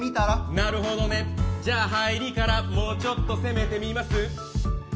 なるほどね、じゃあ入りからもうちょっと攻めてみます。